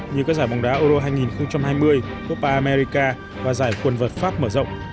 như các giải bóng đá euro hai nghìn hai mươi copa america và giải quân vật pháp mở rộng